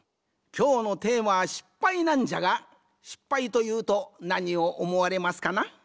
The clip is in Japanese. きょうのテーマは「失敗」なんじゃが失敗というとなにをおもわれますかな？